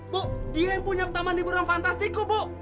bu dia yang punya taman hiburan fantastiku bu